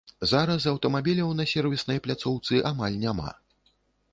Зараз аўтамабіляў на сервіснай пляцоўцы амаль няма.